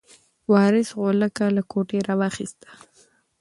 وارث غولکه له کوټې راواخیسته.